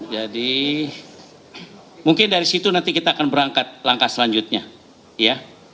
jadi mungkin dari situ nanti kita akan berangkat langkah selanjutnya ya